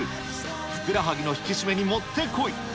ふくらはぎの引き締めにもってこい。